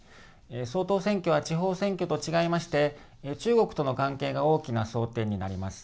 総統選挙は地方選挙と違いまして、中国との関係が大きな争点になります。